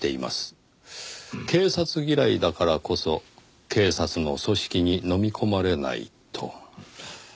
「警察嫌いだからこそ警察の組織にのみ込まれない」と。